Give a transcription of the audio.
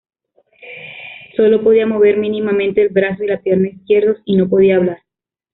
Sólo podía mover mínimamente el brazo y la pierna izquierdos y no podía hablar.